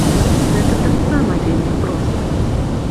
Гэта таксама вельмі проста.